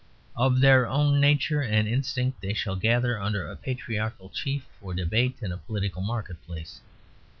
Of their own nature and instinct they shall gather under a patriarchal chief or debate in a political market place.